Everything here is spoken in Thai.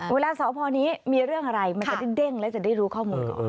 เวลาสพนี้มีเรื่องอะไรมันจะได้เด้งและจะได้รู้ข้อมูลก่อน